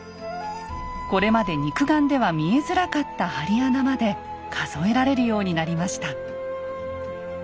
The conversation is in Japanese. これまで肉眼では見えづらかった針穴まで数えられるようになりました。